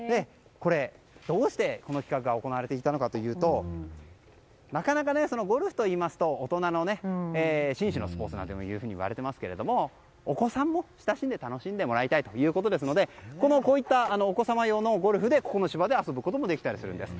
どうしてこの企画が行われていたのかといいますとなかなかゴルフといいますと大人の紳士のスポーツなんていわれていますけれどもお子さんも親しんで楽しんでもらいたいということでこういったお子様用のゴルフでここの芝で遊ぶこともできたりするんです。